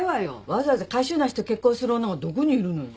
わざわざかい性なしと結婚する女がどこにいるのよ。